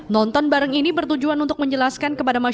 nonton bareng ini bertujuan untuk menjelaskan kepada masyarakat